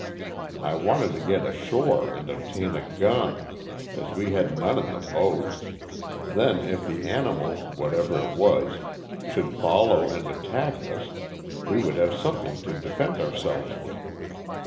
I wanted to get ashore and obtain a gun, as we had none in the boats, then if the animal, whatever it was, should follow and attack us we would have something to defend our selves with.